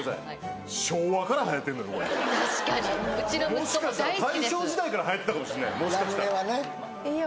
もしかしたら大正時代からはやってたかもしれないいや